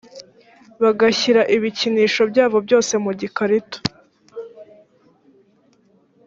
bagashyira ibikinisho byabo byose mu gikarito